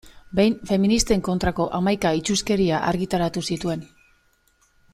Behin feministen kontrako hamaika itsuskeria argitaratu zituen.